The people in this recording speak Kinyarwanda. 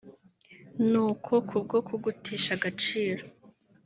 nuko kubwo kugutesha agaciro